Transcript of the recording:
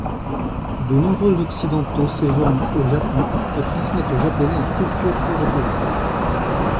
De nombreux Occidentaux séjournent au Japon et transmettent aux Japonais la culture européenne.